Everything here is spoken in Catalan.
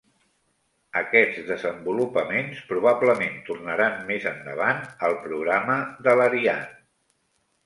Aquests desenvolupaments probablement tornaran més endavant al programa de l'Ariane.